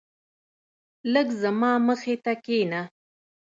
لږ زما مخی ته کينه